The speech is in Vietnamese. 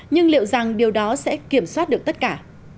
nhưng liệu rằng điều đó sẽ kiểm soát được tất cả